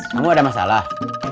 kamu ada masalah